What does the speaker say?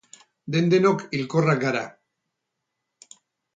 Den-denok hilkorrak gara.